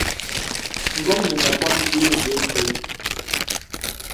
Ngól mə nə bônə bì nzə īkí.